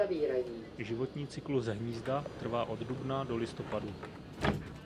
Životní cyklus hnízda trvá od dubna do listopadu.